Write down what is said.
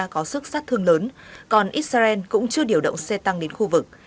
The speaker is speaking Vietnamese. có sức sát thương lớn còn israel cũng chưa điều động xe tăng đến khu vực